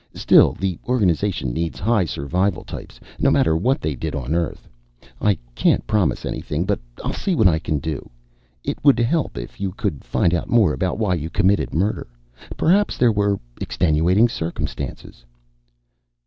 "Still, the organization needs high survival types, no matter what they did on Earth. I can't promise anything, but I'll see what I can do. It would help if you could find out more about why you committed murder. Perhaps there were extenuating circumstances."